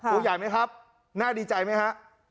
ตัวใหญ่ไหมครับน่าดีใจไหมฮะ